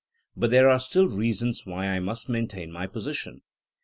But there are still reasons why I must maintain my posi tion.